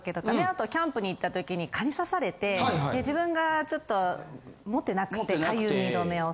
あとキャンプに行ったときに蚊に刺されて自分がちょっと持ってなくてかゆみ止めを。